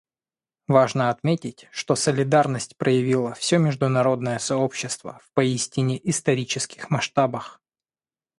Важно отметить, что солидарность проявило все международное сообщество в поистине исторических масштабах.